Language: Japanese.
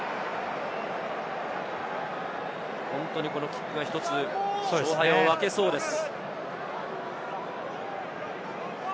本当にこのキックが１つ勝敗を分けそうです。